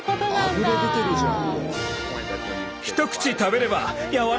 あふれ出てるじゃん。